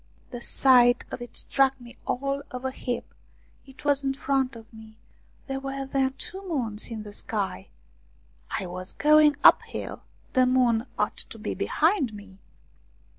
The sight of it struck me all of a heap. It was in front of me ! There were then two moons in the sky ! I was going uphill ; the moon ought to be behind me